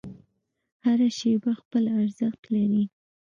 هره شیبه خپل ارزښت لري.